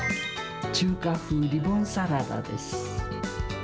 中華風リボンサラダです。